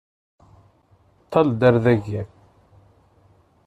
Ṭṭal-d ar daki!